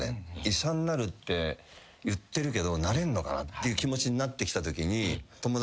医者になるって言ってるけどなれんのかなっていう気持ちになってきたときに。